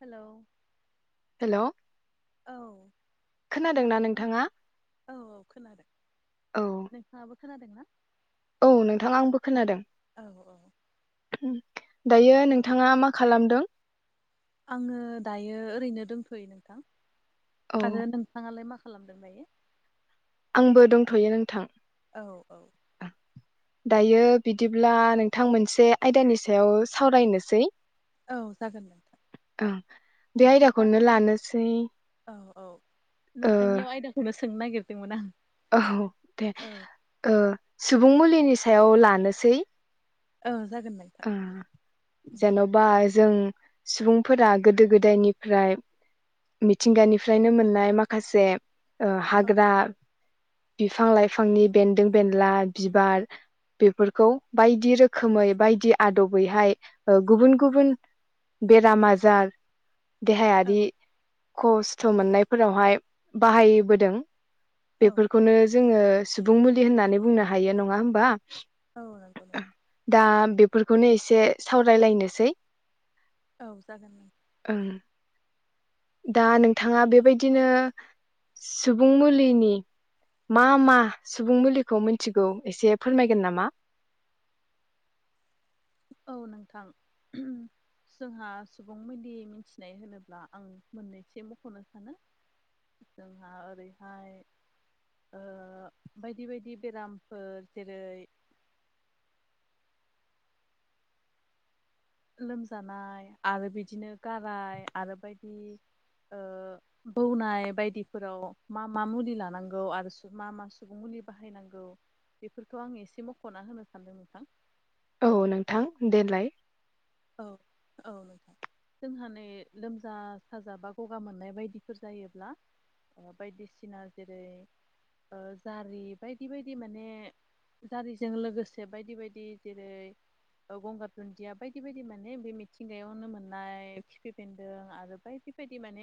Hello hello औ खोनादोंना खोनादों नों नोंथाङा औ औ खोनादों औ नोंथाङाबो खोनादोंना? औ नोंथाङ आंबो खोनादों। अ औ ओम दायो नोंथाङा मा खालामदों? आङो दायो ओरैनो दंथयो नोंथां औ आरो नोंथाङालाय मा खालामदों दायो? आंबो दंथयो नोंथां। औ औ दायो बिदिब्ला नोंथां मोनसे आयदानि सायाव सावरायनोसै औ जागोन नोंथां ओ बे बिदिब्ला आयदाखौनो लानोसै औ औ ओ नोंथांनियाव आयदाखौनो सोंनो नागिरदोंमोन आं औ दे औ ओ सुबुं मुलिनि सायाव लानोसै ओं आ जेनबा जों सुबुंफोरा गोदो गोदायनिफ्राय मिथिंगानिफ्रायनो मोननाय माखासे ओ औ हाग्रा बिफां लाइफांनि बेन्दों बेनला बिबार बेफोरखौ बायदि रोखोमै बायदि आदबैहाय ओ गुबुन गुबुन बेराम आजार औ देहायारि खस्थ मोननायफोरावहाय बाहायबोदों औ बेफोरखौनो जोङो सुबुं मुलि होननानै बुंनो हायो नङा होमबा? औ नंगौ नों दा बेफोरखौनो एसे सावरायलायनोसै औ जागोन दे ओं दा नोंथाङा बेबायदिनो सुबुं मुलिनि मा मा सुबुं मुलिखौ मिथिगौ एसे फोरमायगोन नामा? [inaudible] औ नोंथां जोंहा सुबुं मोदि मिथिनाय होनोब्ला आं मोननैसो मख'नो सानो जोंहा ओरैहाय ओ बायदि बायदि बेरामफोर जेरै लोमजानाय आरो बिदिनो गाराय आरो बायदि ओ बौनाय बायदिफोराव मा मा मुलि लानांगौ आरो सु मा मा सुबुं मु दि बाहायनांगौ बेफोरखौ आं एसे मख'ना होनो सानदों नोंथां। औ नोंथां देलाय औ औ नोंथां जोंहा नै लोमजा-साजा बा गगा मोननाय बायदिफोर जायोब्ला ओ बायदिसिना जेरै ओ जारि बायदि बायदि माने जारिजों लोगोसे बायदि बायदि जेरै ओ गंगार दुन्दिया बाय दि बायदि माने बे मिथिंगायावनो मोननाय खिफि बेन्दों आरो बायदि बायदि माने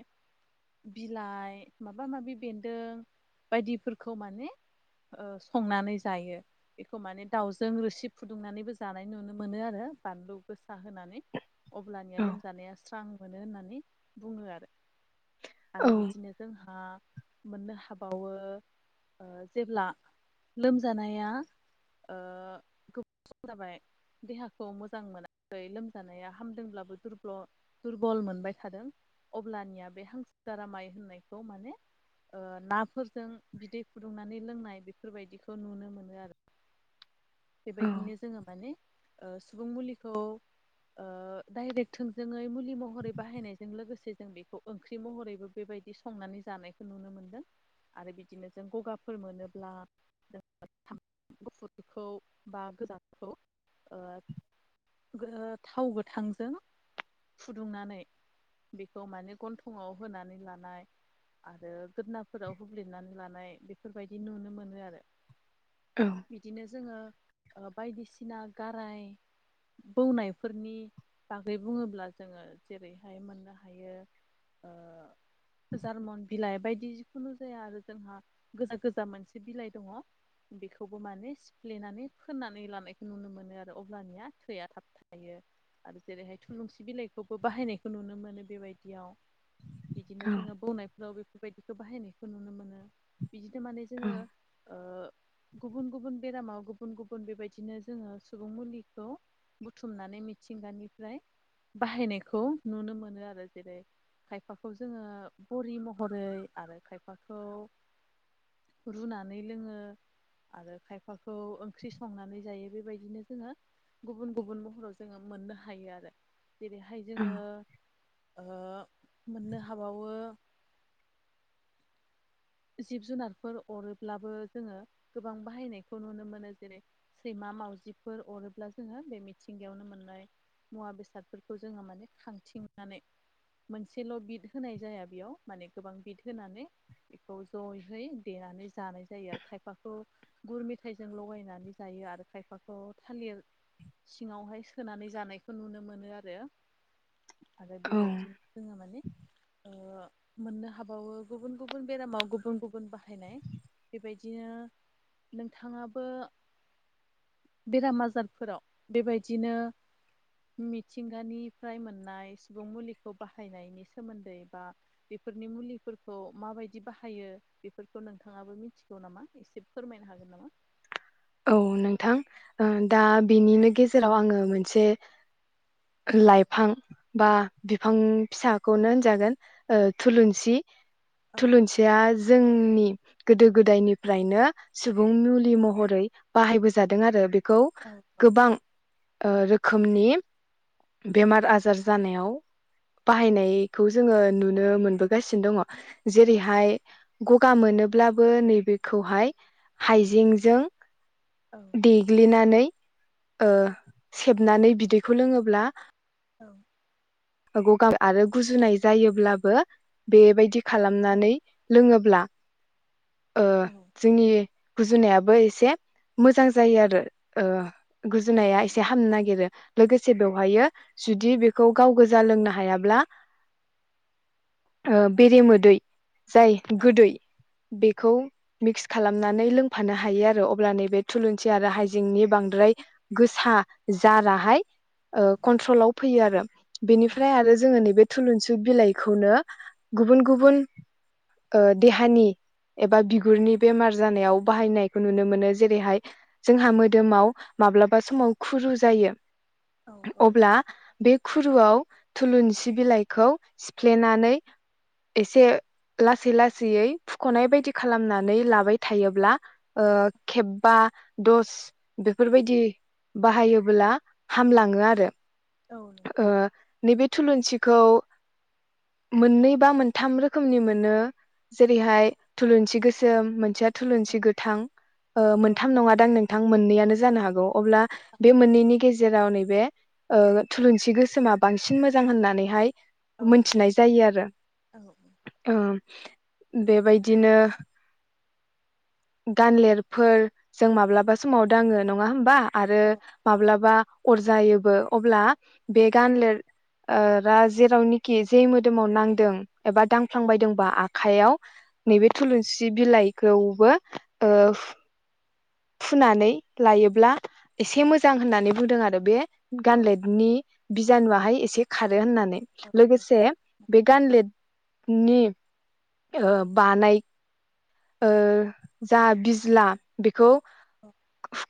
बिलाइ माबा माबि बेन्दों बायदिफोरखौ माने ओ संनानै जायो बेखौ माने दाउजों रोसि फुदुंनानैबो जानाय नुनो मोनो आरो। बानलु गोसा होनानै अब्लानिया औ लोमजानाया स्रां मोनो होननानै बुङो आरो। आरो औ बिदिनो जोंहा मोननो हाबावो ओ जेब्ला लोमजानाया ओ गोबाव सम जाबाय देहाखौ मोजां मोना खै लोमजानाया हामदोंब्लाबो दुरब्ल' दुरबल मोनबाय थादों अब्लानिया बे हांसो सो गारामाइ होननायखौ माने ओ नाफोरजों बिदै फुदुंनानै लोंनाय बेफोरबायदिखौ नुनो मोनो आरो। [inaudible] औ बेबायदिनो जोङो माने ओ सुबुं मुलिखौ [inaudible] दायरेग थोंजोङै मुलि महरै बाहायनायजों लोगोसे जों बेखौ ओंख्रि महरैबो बेबायदि संनानै जाय जानायखौ नुनो मोनदों आरो बिदिनो जों गगाफोर मोनोब्ला गुफुरखौ बा गोजानफोरखौ ओ ओ थाव गोथांजों फुदुंनानै बेखौ माने गन्थंआव होनानै लानाय आरो गोदोनफोराव हुब्लिरनानै लानाय बेफोरबायदि नुनो मोनो आरो औ बिदिनो जोंङो बायदिसिना गाराय बौनायफोरनि बागै बुंङोब्ला जोंङो जेरैहाय मोननो हायो [inaudible] जार्मन बिलाइ बायदि जिखुनु जाया आरो जोंहा गोजा गोजा मोनसे बिलाइ दंङ बेखौबो माने सिफ्लेनानै फोननानै लानायखौ नुनो मोनो आरो अब्लानिया बिया थाब थायो आरो जेरैहाय थुलुंसि बिलाइखौबो बाहायनायखौ नुनो मोनो बेबायदियाव बिदिनो जोंङो बौनायफोराव बेफोरबायदिखौ बाहायनायखौ नुनो मोनो बिदिनो माने औ जोंङो ओ गुबुन-गुबुन बेरामाव गुबुन-गुबुन बेबायदिनो जोंङो सुबुं मुलिखौ बुथुमनानै मिथिंगानिफ्राय बाहायनायखौ नुनो मोनो आरो जेरै खायफाखौ जोंङो बरि महरै आरो खायफाखौ रुनानै लोंङो आरो खायफाखौ ओंख्रि संनानै जायो बेबायदिनो जोङो गुबुन-गुबुन महराव जोंङो मोननो हायो आरो जेरैहाय औ जोंङो ओ मोननो हाबावो जिब जुनारफोर अरोब्लाबो जोंङो गोबां बाहायनायखौ नुनो मोनो जेरै सैमा मावजिफोर अरोब्ला जोंङो बे मिथिंगायावनो मोननाय मुवा बेसादफोरखौ जोंङो माने खांथिंनानै मोनसेल बिद होनाय जाया बेयाव माने गोबां बिद होनानै बेखौ जयहै देनानै जानाय जायो आरो खायफाखौ गुर मेथायजों लगायनानै जायो आ आरो खायफाखौ थालिर सिंयावहाय सोनानै जानायखौ नुनो मोनो आरो। आरो औ बेबायदिनो जोंङो माने मोननो हाबावो गुबुन गुबुन गुबुन बेरामाव गुबुन गुबुन बाहायनाय बेबायदिनो नोंथांङाबो बेराम आजा मिथिंगानिफ्राय मोननाय सुबुं मुलिखौ बाहायनायनि सोमोन्दै बा बे फोरनि मुलिफोरखौ माबायदि बाहायो बेफोरखौ नोंथांङाबो मिथिगौ नामा एसे फोरमायनो हागोन नामा? औ नोंथां ओ दा बिनिनो गेजेराव आंङो मोनसे लाइफां बा बिफां फिसाखौनो होनजागोन ओ थुलुंसि थुलुंसिया जोंनि गोदो गोदायनिफ्रायनो सुबुं मुलि महरै बाहायबोजादों आरो बेखौ गोबां ओ रोखोमनि बेमार आजार जानायाव बाहायनायखौ जोंङो नुनो मोनबोगासिनो दंङ जेरैहाय गगा मोनोब्लाबो नैबेखौहाय हाइजेंजों देग्लिनानै ओ सेबनानै बिदैखौ लोंङोब्ला औ गगा आरो गुजुनाय जायोब्लाबो बेबायदि खालामनानै लोंङोब्ला ओ जोंनि गुजुनायाब बो एसे मोजां जायो आरो ओ गुजुनाया एसे हामनो नागिरो लोगोसे बेवहायो जुदि बेखौ गाव गोस जा लोंनो हायाब्ला ओ बेरेमोदै जाय गोदै बेखौ मिक्स खालामनानै लोंफानो हायो आरो अब्ला नैबे थुलुंसि आरो हाइजेंनि बांद्राय गोसा जालाहाय ओ कन्ट्रलाव फैयो आरो। बेनिफ्राय आरो जोङो नैबे थुलुंसिु बिलाइखौनो गुबुन गुबुन ओ देहानि एबा बिगुरनि बेमार जानायाव बाहायनायखौ नुनो मोनो जेरैहाय जोंहा मोदोमाव माब्लाबा समाव खुरु जायो अब्ला बे खु रुआव थुलुंसि बिलाइखौ सिफ्लेनानै एसे लासै लासैयै फुख'नाय बायदि खालामनानै लाबाय थायोब्ला ओ खेबबा दस बेफोर बायदि बाहायोब्ला हामलाङो आरो। ओ नैबे थुलुंसिखौ मोननै बा मोनथाम रोखोमनि मोनो जेरैहाय थुलुंसि गोसोम मोनसेया थुलुंसि गोथां ओ मोनथाम नङा दां नोंथां मोननैयानो जानो हागौ अब्ला बे मोननैनि गेजेराव नै बे ओ थुलुंसि गोसोमा बांसिन मोजां होननानै हाय मोनथिनाय जायो आरो औ। बेबायदिनो गानलेरफोर जों माब्लाबा समाव दाङो नङा होमबा? आरो माब्लाबा अरजायोबो अब्ला बे गानलेर ओ रा जेरावनिखि जे मोदोमाव नांदों एबा दांफ्लांबायदोंबा आखाइयाव नैबे थुलुनसि बिलाइखौबो ओ हु फुनानै लायोब्ला एसे मोजां होननानै बुंदों आरो बे गान्दलेदनि बिजानुआहाय एसे खारो होननानै लोगोसे बे गान्दलेद नि ओ बानाय ओ जा बिज्ला बेखौ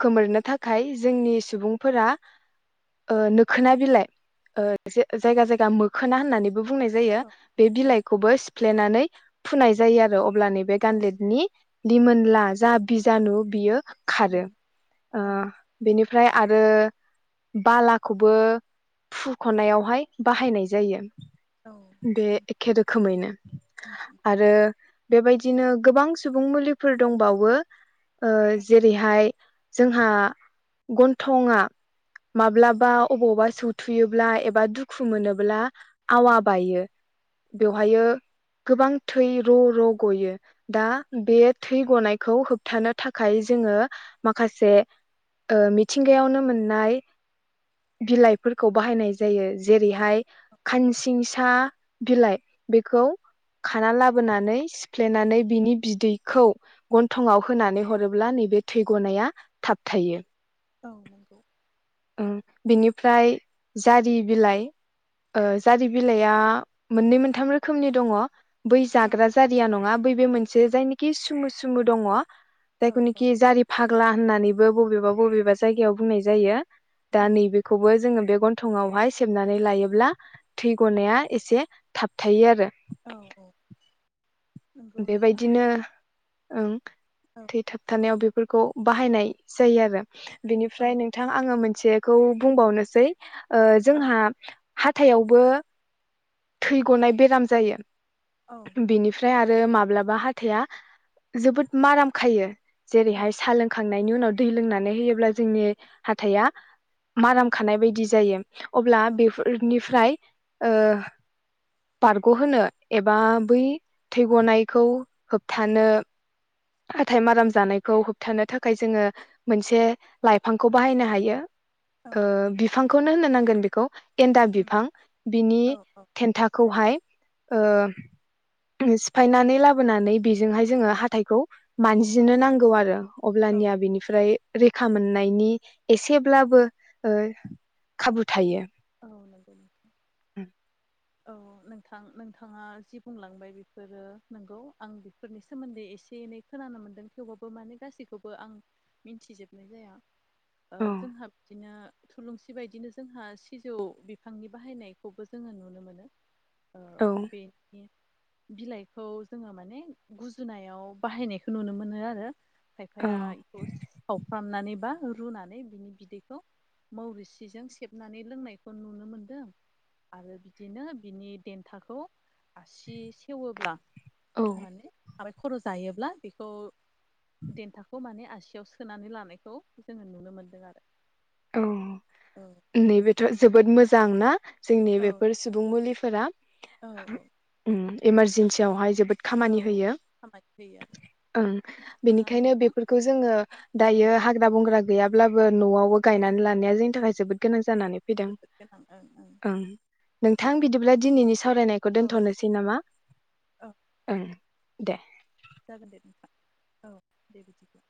खोमोरनो थाखाय जोंनि सुबुंफोरा ओ नोखोना बिलाइ ओ जे जायगा जायगा मोखोना होननानैबो बुंनाय जायो बे बिलाइखौबो सिफ्लेनानै फुनाय जायो आरो अब्ला नैबे गान्दलेद दिमोनला जा बिजानु बियो खारो। ओ बेनिफ्राय आरो बालाखौबो फुखनायावहाय बाहायनाय जायो। बे एखे रोखोमैनो आरो बेबायदिनो गोबां सुबुं मुलिफोर दंबावो ओ जेरैहाय जोंहा गन्थंङा माब्लाबा अबावबा सौथुयोब्ला एबा दुखु मोनोब्ला औ आवा बायो औ बेवहायो गोबां थै र' र' गयो दा बे थै गनायखौ होबथानो थाखाय जोङो माखासे ओ मिथिंगायावनो मोननाय बिलाइफोरखौ बाहायनाय जायो जेरैहाय खानसिंसा बिलाइ। बेखौ खाना लाबोनानै सिफ्लेनानै बिनि बिदैखौ गन्थंआव होनानै हरोब्ला नैबे थै गनाया थाबथायो। औ नोंगौ ओमफ्राय जारि बिलाइ ओ जारि बिलाइया मोननै मोनथाम रोखोमनि दङ। बै औ जाग्रा जारिया नङा बै बे मोनसे जायनिखि सुमु सुमु दङ औ औ जायखौनिखि जारि फाग्ला होननानैबो बबेबा बबेबा जायगायाव बुंनाय जायो। दा ओं नैबेखौबो जोङो बे गन थङावहाय सेबनानै लायोब्ला थै गनाया एसे थाबथायो आरो। औ औ नंगौ नोंथां बेबायदिनो ओं औ थैथाबथानायाव बेफोर खौ बाहायनाय जायो आरो औ बेनिफ्राय नोंथां आङो मोनसेखौ बुंबावनोसै ओ औ जोंहा हाथायावबो थै गनाय बेराम जायो। औ बिनिफ्राय आरो माब्लाबा हाथाइया जोबोद माराम खायो। औ जेरैहाय सा लोंखां नायनि उनाव दै लोंनानै होयोब्ला जोंनि हाथाइया माराम खानाय बायदि जायो। अब्ला औ बेफोरनि फ्राइ ओ बारग'होनो एबा बै थैग'नायखौ होबथानो हाथाय माराम जानायखौ होबथानो थाखाय जोङो मोनसे लाइफांखौ बाहायनो हायो। औ ओ बिफांखौनो होननो नांगोन बेखौ एन्दा उम बिफां बिनि औ औ थेन्थाखौहाय ओ सिफायनानै लाबोनानै बेजोंहाय जोङो हाथायखौ मानजिनो नांगौ आरो औ अब्लानिया औ बेनिफ्राय रैखा मोन नायनि एसेब्लाबो ओ खाबु थायो। औ नंगौ नंगौ औ नोंथां नोंथाङा जि बुंलांबाय बेफोरो नंगौ आं बेफोरनि सोमोन्दै एसे एनै खोना नोमोनदों थेवबाबो माने गासैखौबो आं मिथिजोबनाय जाया। ओ औ जोंहा बिदिनो थुलुंसि बायदिनो जोंहा सि सिजौ बिफांनि बाहायनायखौबो जोङो नुनो मोनो ओ औ बेनि बिलाइखौ जोङो माने गुजुनायाव बाहायनायखौ नुनो मोनो आरो औ खायफाया एखौ सावफ्रामनानैबा रुनानै बिनि बिदैखौ मरिसिजों सेबनानै लोंनायखौ नुनो मोनदों। आरो बिदिनो बिनि देन्थाखौ आसि सेवोब्ला औ माने आबाइ खर' जायोब्ला बेखौ देन्थाखौ माने आ सियाव सोनानै लानायखौ जोङो नुनो मोनदों आरो। औ नंगौ नैबेथ' नोंथां जोबोद मोजां ना? जोंनि औ बेफोर सुबुं मुलिफोरा औ औ। उम इमारजेन्सियावहाय जोबोद औ खामानि होयो। खामानि होयो आरो ओं बिदिब्ला बेनिखायनो नोंथां बेफोरखौ जोङो औ दायो हाग्रा बंग्रा गैयाब्लाबो न'आवबो औ गायनानै लानाया जोंनि थाखाय जोबोद गोनां जा जानानै फैदों जोबोद गोनां ओं नोंथां बिदिब्ला दिनैनि सा सावरायनायखौ ओं औ दोन्थ'नोसै नामा? औ ओं दे। जागोन दे नोंथां औ दे बिदिब्ला।